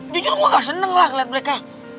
jadi gue gak seneng lah liat mereka